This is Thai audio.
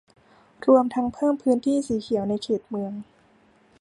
รวมทั้งเพิ่มพื้นที่สีเขียวในเขตเมือง